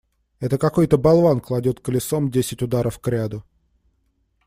Это какой-то болван кладет колесом десять ударов кряду.